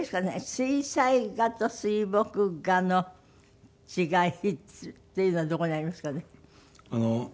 水彩画と水墨画の違いっていうのはどこにありますかね？